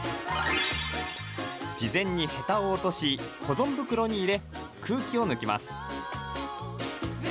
事前にヘタを落とし保存袋に入れ、空気を抜きます。